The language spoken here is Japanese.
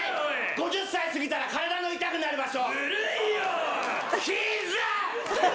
５０歳過ぎたら体の痛くなる場所！